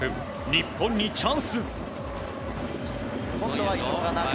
日本にチャンス！